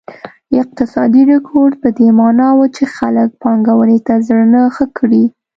اقتصادي رکود په دې معنا و چې خلک پانګونې ته زړه نه ښه کړي.